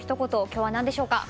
今日は何でしょうか？